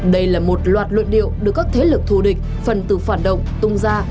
đây là một loạt luận điệu được các thế lực thù địch phần từ phản động tung ra